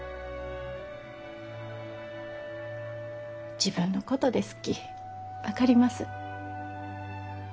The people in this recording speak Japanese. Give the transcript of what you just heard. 自分のことですき分かります。